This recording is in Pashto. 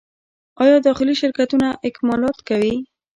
آیا داخلي شرکتونه اکمالات کوي؟